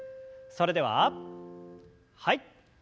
それでははい。